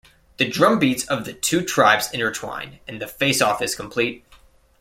The drum beats of the two tribes intertwine, and the face off is complete.